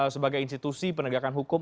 sebagai institusi penegakan hukum